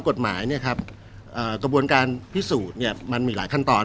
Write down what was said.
กฎหมายเนี่ยครับกระบวนการพิสูจน์มันมีหลายขั้นตอน